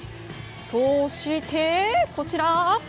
そして、こちら。